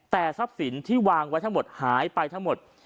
แต่ทรัพย์สินที่วางไว้ทั้งหมดหายไปทั้งหมด